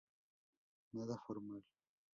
Nada formal.